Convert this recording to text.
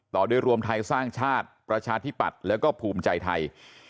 ต่อด้วยรวมไทยสร้างชาติประชาธิปัตย์แล้วก็ภูมิใจไทย